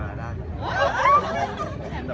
ก็ถามถึง